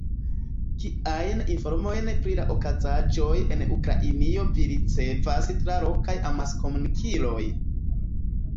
Kiajn informojn pri la okazaĵoj en Ukrainio vi ricevas tra lokaj amaskomunikiloj?